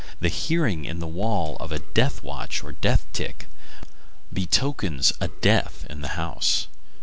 The hearing, in the wall, of the "death watch," or "death tick," betokens a death in the house.